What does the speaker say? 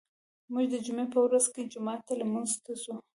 موږ د جمعې په ورځو کې جومات ته لمونځ ته ځو.